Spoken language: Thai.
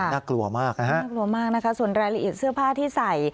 น่ากลัวมากนะฮะน่ากลัวมากนะคะส่วนรายละเอียดเสื้อผ้าที่ใส่